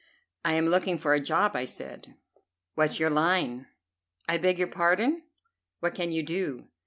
"I am looking for a job," I said. "What's your line?" "I beg your pardon?" "What can you do?"